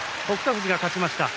富士が勝ちました。